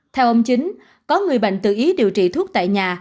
theo ông chính có người bệnh tự ý điều trị thuốc tại nhà